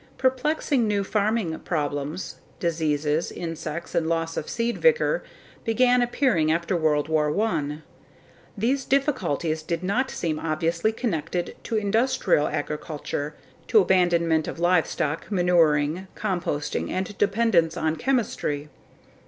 Perplexing new farming problems diseases, insects and loss of seed vigor began appearing after World War 1. These difficulties did not seem obviously connected to industrial agriculture, to abandonment of livestock, manuring, composting, and to dependence on chemistry.